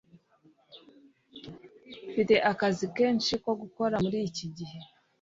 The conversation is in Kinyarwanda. Mfite akazi kenshi ko gukora muri iki gihe.